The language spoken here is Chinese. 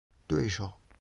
对手